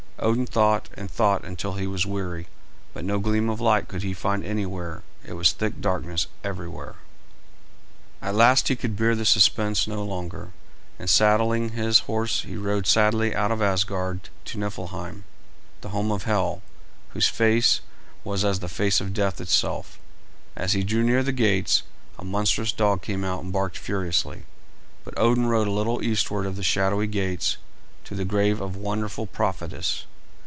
Odin thought and thought until he was weary, but no gleam of light could he find anywhere; it was thick darkness everywhere. At last he could bear the suspense no longer, and saddling his horse he rode sadly out of Asgard to Niflheim, the home of Hel, whose face was as the face of death itself. As he drew near the gates, a monstrous dog came out and barked furiously, but Odin rode a little eastward of the shadowy gates to the grave of a wonderful prophetess.